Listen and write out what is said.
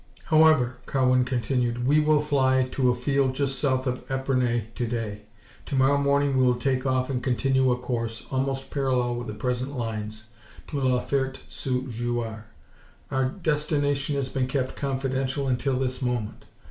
"However," Cowan continued, "we will fly to a field just south of Epernay to day. To morrow morning we will take off and continue a course, almost parallel with the present lines, to La Ferte sous Jouarre. Our destination has been kept confidential until this moment.